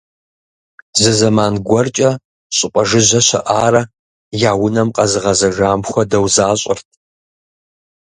Зы зэман гуэркӏэ щӏыпӏэ жыжьэ щыӏарэ, я унэм къагъэзэжам хуэдэу защӏырт.